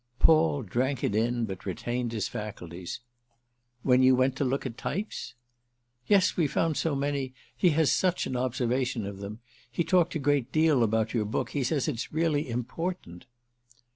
Paul drank it in, but retained his faculties. "When you went to look at types?" "Yes—we found so many: he has such an observation of them! He talked a great deal about your book. He says it's really important."